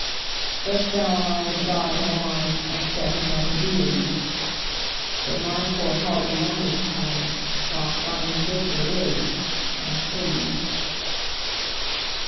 Thus thou and I the god have arm'd And set him up a deity; But my poor heart alone is harm'd, 15 Whilst thine the victor is, and free!